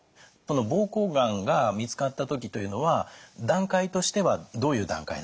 膀胱がんが見つかった時というのは段階としてはどういう段階？